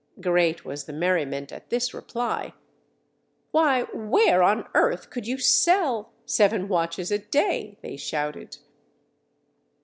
Great was the merriment at this reply. "Why, where on earth could you sell seven watches a day?" they shouted.